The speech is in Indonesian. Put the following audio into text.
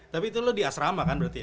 tapi itu lo di asrama kan berarti ya